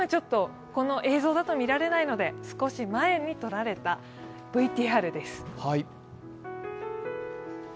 今この映像だと見られないので少し前に撮られたＶＴＲです。